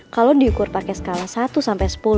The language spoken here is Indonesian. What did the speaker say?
kalo diukur pake skala satu sepuluh